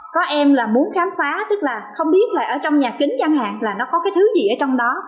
có em là muốn khám phá tức là không biết là ở trong nhà kính chẳng hạn là nó có cái thứ gì ở trong đó